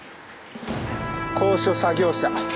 高所作業車。